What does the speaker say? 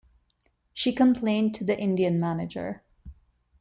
She complained to the Indian manager.